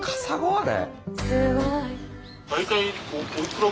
あれ。